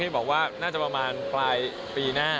บอกว่าน่าจะประมาณปลายปีหน้า